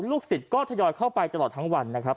ลูกศิษย์ก็ทยอยเข้าไปตลอดทั้งวันนะครับ